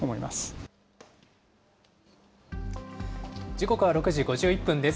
時刻は６時５１分です。